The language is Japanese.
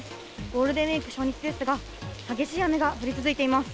ゴールデンウィーク初日ですが、激しい雨が降り続いています。